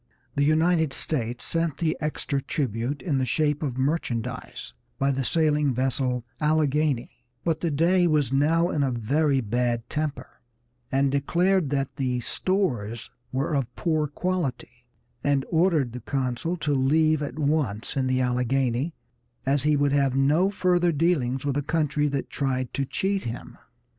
The United States sent the extra tribute in the shape of merchandise by the sailing vessel Alleghany; but the Dey was now in a very bad temper, and declared that the stores were of poor quality, and ordered the consul to leave at once in the Alleghany, as he would have no further dealings with a country that tried to cheat him.